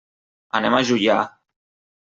Anem a Juià.